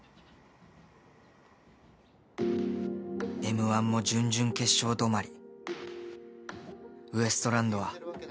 ［Ｍ−１も準々決勝止まり］